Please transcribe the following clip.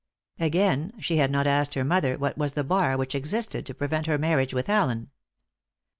Again, she had not asked her mother what was the bar which existed to prevent her marriage with Allen.